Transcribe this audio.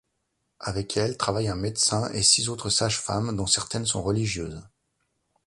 Avec elle travaillent un médecin et six autres sages-femmes, dont certaines sont religieuses.